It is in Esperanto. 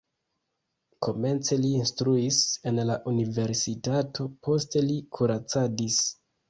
Komence li instruis en la universitato, poste li kuracadis.